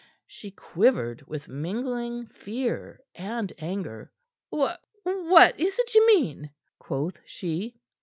She quivered with mingling fear and anger. "Wha' what is't ye mean?" quoth she.